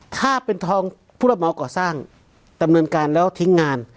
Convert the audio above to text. ถ้าเป็นทองผู้รับเหมาก่อสร้างดำเนินการแล้วทิ้งงาน